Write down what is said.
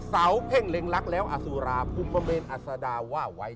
เสาเพ่งเล็งลักษณ์แล้วอสุราภูมิประเมนอัศดาว่าไว้